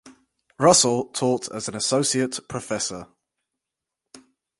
Russell taught as an associate professor.